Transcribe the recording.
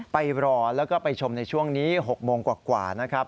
ไปรอแล้วก็ไปชมในช่วงนี้๖โมงกว่านะครับ